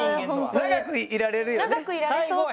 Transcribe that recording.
長くいられるよね。